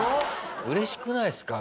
うれしくないですか？